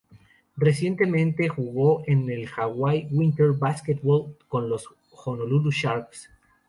Recientemente jugó en la Hawaii Winter Baseball con los Honolulu Sharks.